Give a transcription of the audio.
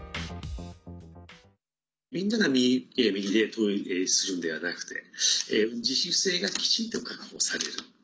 みんなが右向け右で統一するんではなくて自主性が、きちんと確保される。